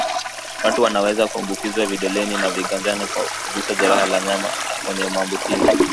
Watu wanaweza kuambukizwa vidoleni na viganjani kwa kugusa jeraha la mnyama mwenye maambukizi